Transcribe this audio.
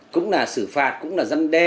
cũng là xử phạt cũng là dân đe